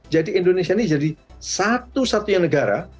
jadi indonesia ini jadi satu satunya negara